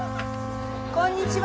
こんにちは！